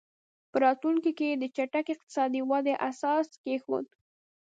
په راتلونکي کې یې د چټکې اقتصادي ودې اساس کېښود.